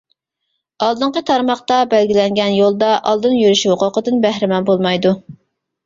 ئالدىنقى تارماقتا بەلگىلەنگەن يولدا ئالدىن يۈرۈش ھوقۇقىدىن بەھرىمەن بولمايدۇ.